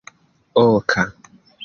oka